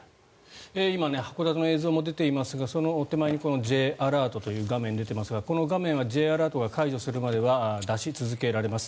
今、函館の映像が出ていますがその手前にＪアラートという画面が出ていますが、この画面はＪアラートが解除されるまでは出し続けられます。